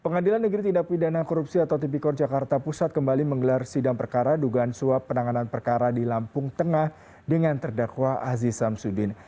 pengadilan negeri tindak pidana korupsi atau tipikor jakarta pusat kembali menggelar sidang perkara dugaan suap penanganan perkara di lampung tengah dengan terdakwa aziz samsudin